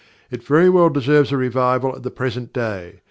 It very well deserves a revival at the present day.